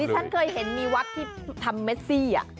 ฉันเคยเห็นมีวัดที่ทำเมซี่